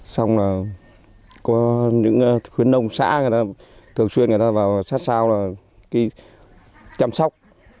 xong là có những khuyến nông xã thường xuyên người ta vào sát sao chăm sóc